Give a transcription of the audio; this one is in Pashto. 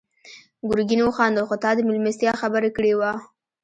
ګرګين وخندل: خو تا د مېلمستيا خبره کړې وه.